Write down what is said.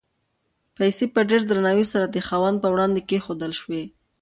پیسې په ډېر درناوي سره د خاوند په وړاندې کېښودل شوې.